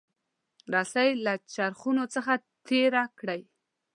رسۍ له چرخونو څخه تیره کړئ.